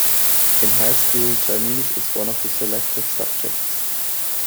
In high school, Chinese is one of the selective subjects.